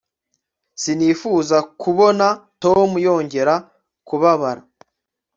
sinifuzaga kubona tom yongera kubabara